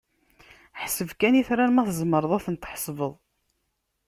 Ḥseb kan itran, ma tzemreḍ ad ten-tḥesbeḍ!